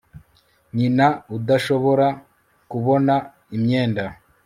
nyina udashobora kubona imyenda